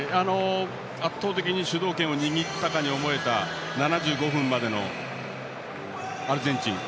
圧倒的に主導権を握ったかに思えた７５分までのアルゼンチン。